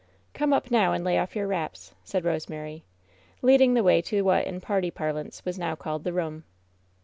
"Come up now and lay off your wraps," said Rose mary, leading the way to what, in party parlance, was now called the room.